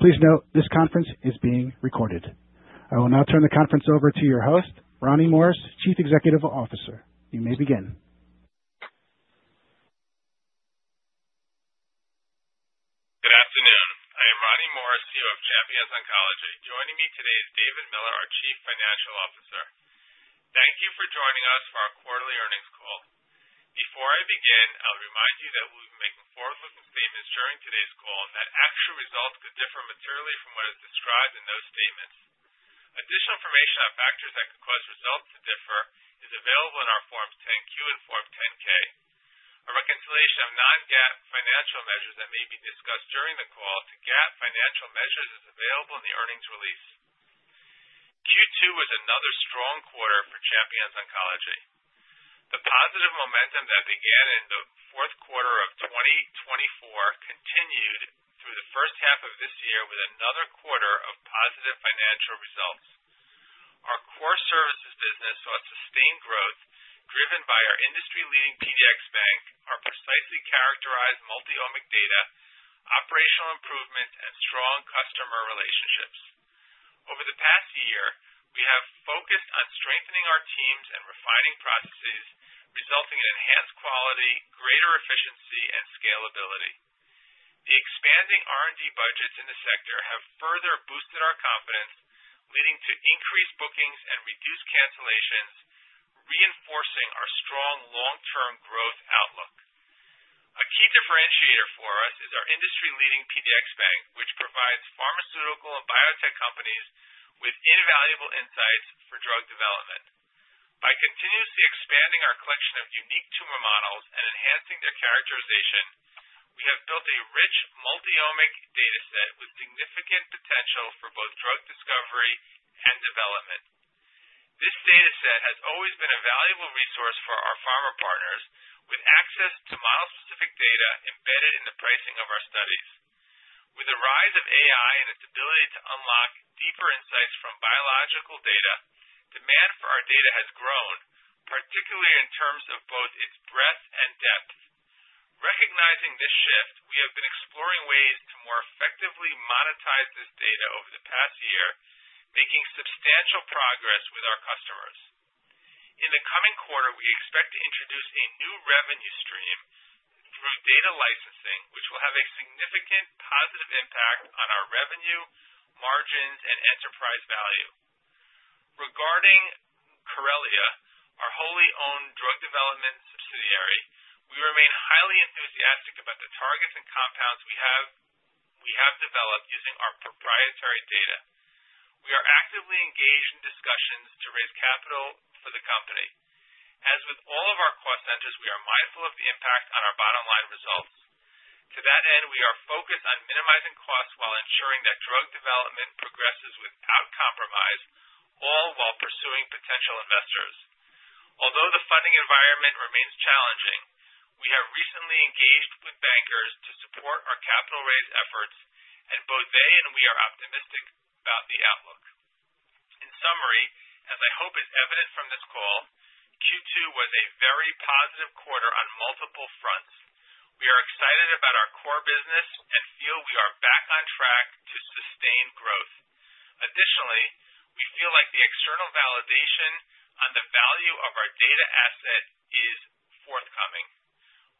Please note this conference is being recorded. I will now turn the conference over to your host, Ronnie Morris, Chief Executive Officer. You may begin. Good afternoon. I am Ronnie Morris, CEO of Champions Oncology. Joining me today is David Miller, our Chief Financial Officer. Thank you for joining us for our quarterly earnings call. Before I begin, I'll remind you that we'll be making forward-looking statements during today's call and that actual results could differ materially from what is described in those statements. Additional information on factors that could cause results to differ is available in our Form 10-Q and Form 10-K. A reconciliation of non-GAAP financial measures that may be discussed during the call to GAAP financial measures is available in the earnings release. Q2 was another strong quarter for Champions Oncology. The positive momentum that began in the fourth quarter of 2024 continued through the first half of this year with another quarter of positive financial results. Our core services business saw sustained growth driven by our industry-leading PDX Bank, our precisely characterized multi-omic data, operational improvement, and strong customer relationships. Over the past year, we have focused on strengthening our teams and refining processes, resulting in enhanced quality, greater efficiency, and scalability. The expanding R&D budgets in the sector have further boosted our confidence, leading to increased bookings and reduced cancellations, reinforcing our strong long-term growth outlook. A key differentiator for us is our industry-leading PDX Bank, which provides pharmaceutical and biotech companies with invaluable insights for drug development. By continuously expanding our collection of unique tumor models and enhancing their characterization, we have built a rich multi-omic data set with significant potential for both drug discovery and development. This data set has always been a valuable resource for our pharma partners, with access to model-specific data embedded in the pricing of our studies. With the rise of AI and its ability to unlock deeper insights from biological data, demand for our data has grown, particularly in terms of both its breadth and depth. Recognizing this shift, we have been exploring ways to more effectively monetize this data over the past year, making substantial progress with our customers. In the coming quarter, we expect to introduce a new revenue stream through data licensing, which will have a significant positive impact on our revenue, margins, and enterprise value. Regarding Corellia, our wholly-owned drug development subsidiary, we remain highly enthusiastic about the targets and compounds we have developed using our proprietary data. We are actively engaged in discussions to raise capital for the company. As with all of our cost centers, we are mindful of the impact on our bottom-line results. To that end, we are focused on minimizing costs while ensuring that drug development progresses without compromise, all while pursuing potential investors. Although the funding environment remains challenging, we have recently engaged with bankers to support our capital-raise efforts, and both they and we are optimistic about the outlook. In summary, as I hope is evident from this call, Q2 was a very positive quarter on multiple fronts. We are excited about our core business and feel we are back on track to sustain growth. Additionally, we feel like the external validation on the value of our data asset is forthcoming.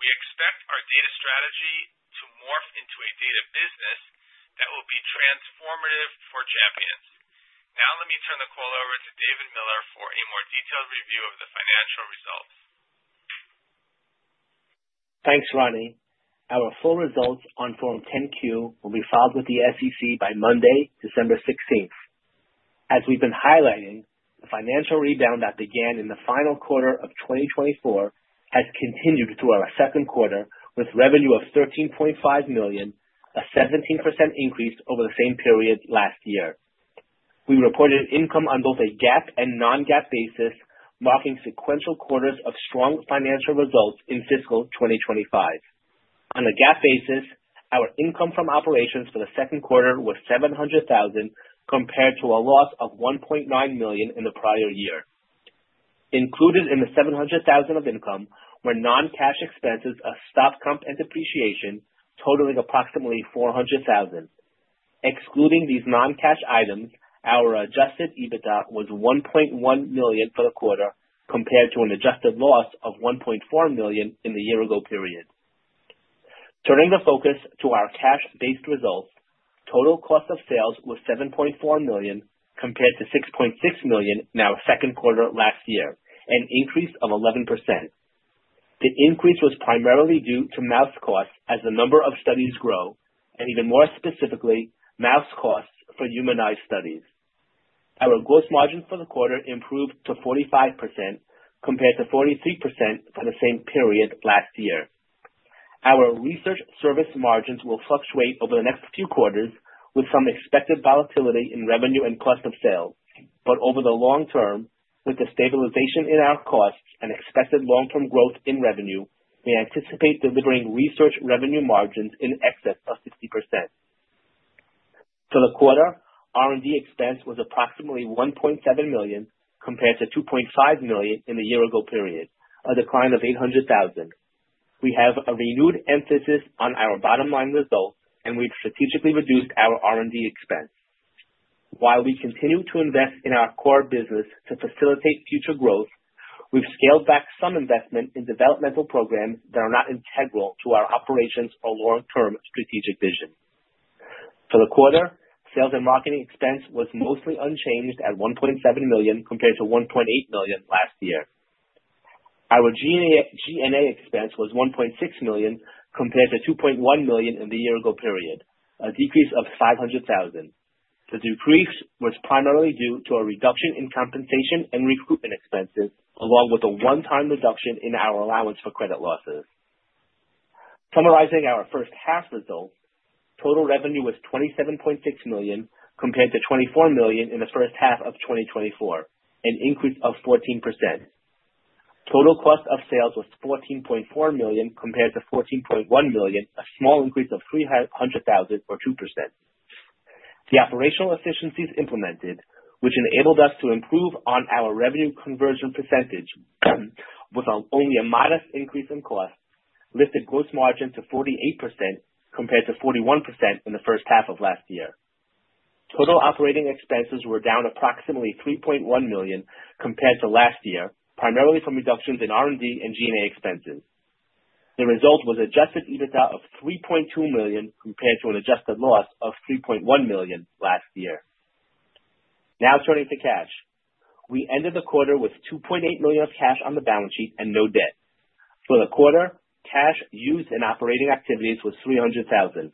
We expect our data strategy to morph into a data business that will be transformative for Champions. Now, let me turn the call over to David Miller for a more detailed review of the financial results. Thanks, Ronnie. Our full results on Form 10-Q will be filed with the SEC by Monday, December 16th. As we've been highlighting, the financial rebound that began in the final quarter of 2024 has continued through our second quarter with revenue of $13.5 million, a 17% increase over the same period last year. We reported income on both a GAAP and Non-GAAP basis, marking sequential quarters of strong financial results in fiscal 2025. On a GAAP basis, our income from operations for the second quarter was $700,000 compared to a loss of $1.9 million in the prior year. Included in the $700,000 of income were non-cash expenses of stock comp, and depreciation, totaling approximately $400,000. Excluding these non-cash items, our Adjusted EBITDA was $1.1 million for the quarter compared to an adjusted loss of $1.4 million in the year-ago period. Turning the focus to our cash-based results, total cost of sales was $7.4 million compared to $6.6 million in our second quarter last year, an increase of 11%. The increase was primarily due to mouse costs as the number of studies grow, and even more specifically, mouse costs for humanized studies. Our gross margins for the quarter improved to 45% compared to 43% for the same period last year. Our research service margins will fluctuate over the next few quarters with some expected volatility in revenue and cost of sales. But over the long term, with the stabilization in our costs and expected long-term growth in revenue, we anticipate delivering research revenue margins in excess of 60%. For the quarter, R&D expense was approximately $1.7 million compared to $2.5 million in the year-ago period, a decline of $800,000. We have a renewed emphasis on our bottom-line results, and we've strategically reduced our R&D expense. While we continue to invest in our core business to facilitate future growth, we've scaled back some investment in developmental programs that are not integral to our operations or long-term strategic vision. For the quarter, sales and marketing expense was mostly unchanged at $1.7 million compared to $1.8 million last year. Our G&A expense was $1.6 million compared to $2.1 million in the year-ago period, a decrease of $500,000. The decrease was primarily due to a reduction in compensation and recruitment expenses, along with a one-time reduction in our allowance for credit losses. Summarizing our first half results, total revenue was $27.6 million compared to $24 million in the first half of 2024, an increase of 14%. Total cost of sales was $14.4 million compared to $14.1 million, a small increase of $300,000 or 2%. The operational efficiencies implemented, which enabled us to improve on our revenue conversion percentage with only a modest increase in cost, lifted gross margin to 48% compared to 41% in the first half of last year. Total operating expenses were down approximately $3.1 million compared to last year, primarily from reductions in R&D and G&A expenses. The result was Adjusted EBITDA of $3.2 million compared to an adjusted loss of $3.1 million last year. Now, turning to cash, we ended the quarter with $2.8 million of cash on the balance sheet and no debt. For the quarter, cash used in operating activities was $300,000.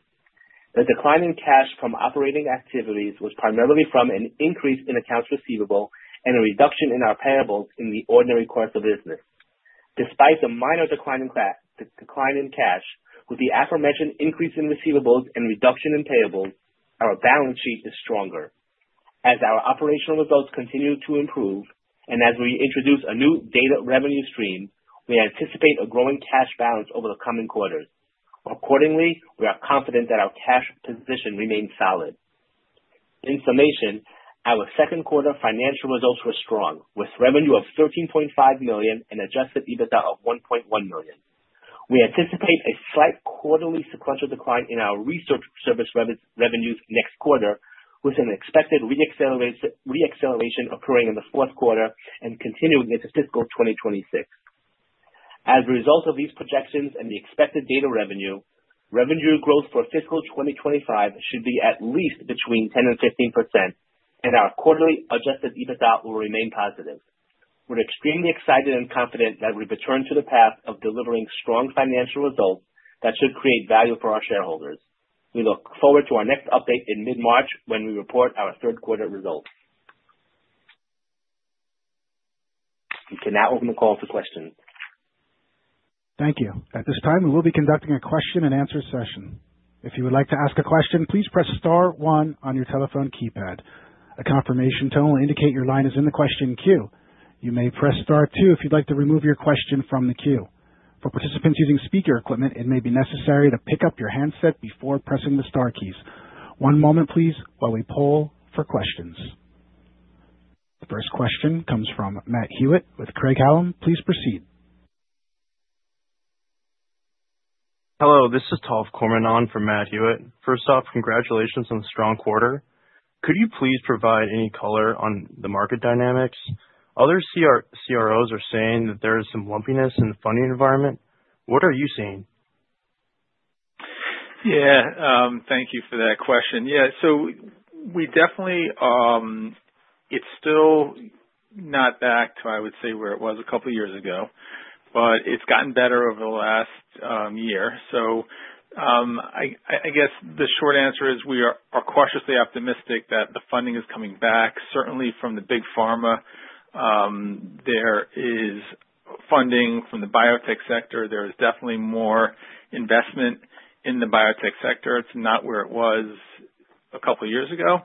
The decline in cash from operating activities was primarily from an increase in accounts receivable and a reduction in our payables in the ordinary course of business. Despite the minor decline in cash, with the aforementioned increase in receivables and reduction in payables, our balance sheet is stronger. As our operational results continue to improve and as we introduce a new data revenue stream, we anticipate a growing cash balance over the coming quarters. Accordingly, we are confident that our cash position remains solid. In summation, our second quarter financial results were strong, with revenue of $13.5 million and Adjusted EBITDA of $1.1 million. We anticipate a slight quarterly sequential decline in our research service revenues next quarter, with an expected re-acceleration occurring in the fourth quarter and continuing into fiscal 2026. As a result of these projections and the expected data revenue, revenue growth for fiscal 2025 should be at least between 10% and 15%, and our quarterly Adjusted EBITDA will remain positive. We're extremely excited and confident that we've returned to the path of delivering strong financial results that should create value for our shareholders. We look forward to our next update in mid-March when we report our third quarter results. We can now open the call for questions. Thank you. At this time, we will be conducting a question-and-answer session. If you would like to ask a question, please press Star one on your telephone keypad. A confirmation tone will indicate your line is in the question queue. You may press Star two if you'd like to remove your question from the queue. For participants using speaker equipment, it may be necessary to pick up your handset before pressing the Star keys. One moment, please, while we poll for questions. The first question comes from Matt Hewitt with Craig-Hallum. Please proceed. Hello. This is Tov Kormanon from Matt Hewitt. First off, congratulations on the strong quarter. Could you please provide any color on the market dynamics? Other CROs are saying that there is some lumpiness in the funding environment. What are you seeing? Yeah. Thank you for that question. Yeah. So we definitely, it's still not back to, I would say, where it was a couple of years ago, but it's gotten better over the last year. So I guess the short answer is we are cautiously optimistic that the funding is coming back, certainly from the big pharma. There is funding from the biotech sector. There is definitely more investment in the biotech sector. It's not where it was a couple of years ago,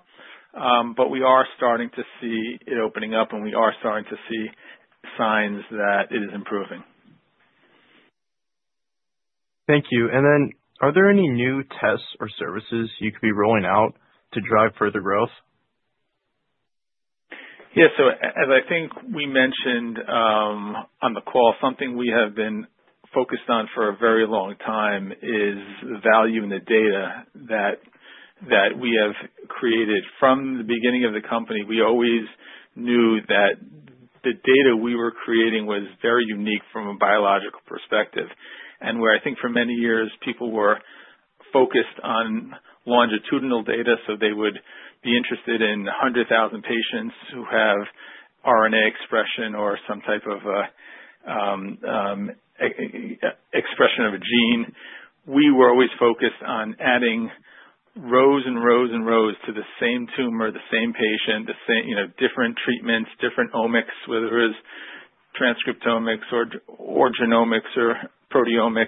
but we are starting to see it opening up, and we are starting to see signs that it is improving. Thank you. And then, are there any new tests or services you could be rolling out to drive further growth? Yeah, so as I think we mentioned on the call, something we have been focused on for a very long time is the value in the data that we have created. From the beginning of the company, we always knew that the data we were creating was very unique from a biological perspective, and where I think for many years, people were focused on longitudinal data, so they would be interested in 100,000 patients who have RNA expression or some type of expression of a gene, we were always focused on adding rows and rows and rows to the same tumor, the same patient, different treatments, different omics, whether it was transcriptomics or genomics or proteomics,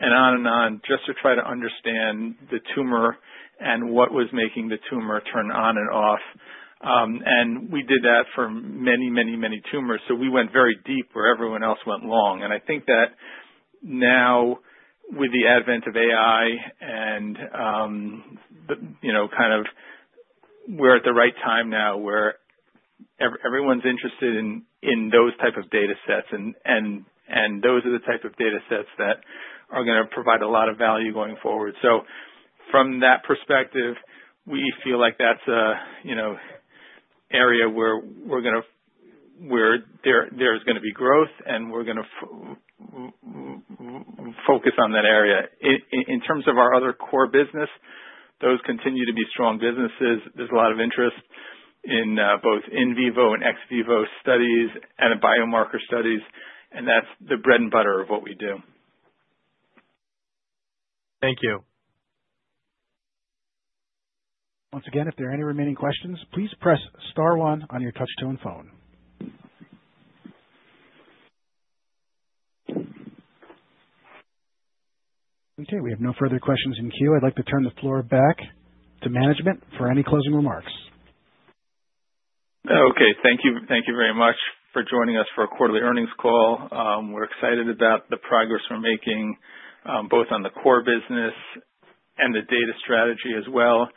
and on and on just to try to understand the tumor and what was making the tumor turn on and off, and we did that for many, many, many tumors. So we went very deep where everyone else went long. And I think that now, with the advent of AI and kind of we're at the right time now where everyone's interested in those types of data sets, and those are the type of data sets that are going to provide a lot of value going forward. So from that perspective, we feel like that's an area where there's going to be growth, and we're going to focus on that area. In terms of our other core business, those continue to be strong businesses. There's a lot of interest in both in vivo and ex vivo studies and in biomarker studies, and that's the bread and butter of what we do. Thank you. Once again, if there are any remaining questions, please press Star one on your touch-tone phone. Okay. We have no further questions in queue. I'd like to turn the floor back to management for any closing remarks. Okay. Thank you very much for joining us for a quarterly earnings call. We're excited about the progress we're making both on the core business and the data strategy as well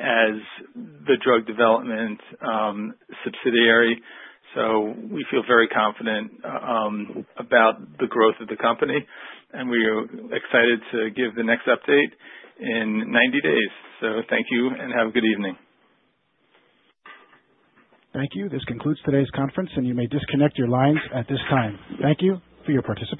as the drug development subsidiary. So we feel very confident about the growth of the company, and we are excited to give the next update in 90 days. So thank you and have a good evening. Thank you. This concludes today's conference, and you may disconnect your lines at this time. Thank you for your participation.